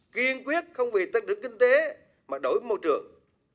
kiên quyết không vì tăng trưởng kinh tế mà đổi môi trường